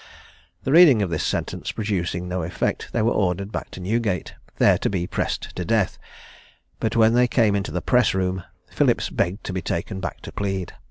The reading of this sentence producing no effect, they were ordered back to Newgate, there to be pressed to death; but when they came into the press room, Phillips begged to be taken back to plead.